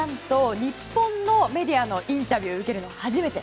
日本のメディアのインタビューを受けるの初めて。